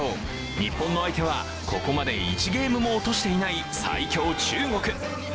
日本の相手はここまで１ゲームも落としていない最強・中国。